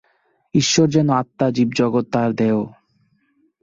ঈশ্বর যেন আত্মা, জীব-জগৎ তাঁহার দেহ।